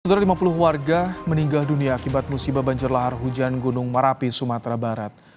sekitar lima puluh warga meninggal dunia akibat musibah banjir lahar hujan gunung merapi sumatera barat